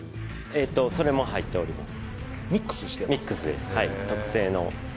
ええとそれも入っております